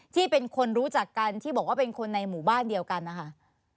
ที่เป็นคนรู้จักกันที่บอกว่าเป็นคนในหมู่บ้านเดียวกันนะคะ